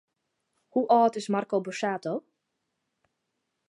Hoe âld is Marco Borsato?